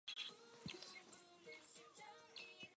The Bruins provided some of the players and the trainer for the team.